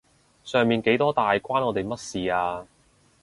上面幾多大關我哋乜事啊？